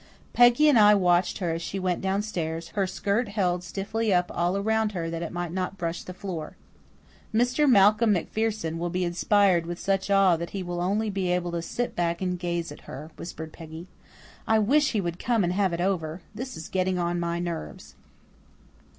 Peggy and I watched her as she went downstairs, her skirt held stiffly up all around her that it might not brush the floor. "'Mr. Malcolm MacPherson' will be inspired with such awe that he will only be able to sit back and gaze at her," whispered Peggy. "I wish he would come and have it over. This is getting on my nerves."